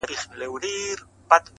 نه یې څه پیوند دی له بورا سره-